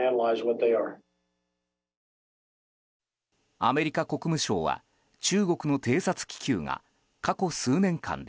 アメリカ国務省は中国の偵察気球が過去数年間で